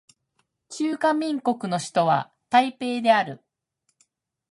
中華民国の首都は台北である